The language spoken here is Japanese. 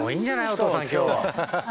お父さん今日。